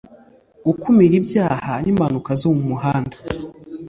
gukumira ibyaha n’impanuka zo mu muhanda